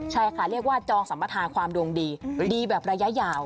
ใช่ค่ะเรียกว่าจองสัมมทาความดวงดีดีแบบระยะยาว